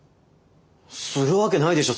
するわけないでしょ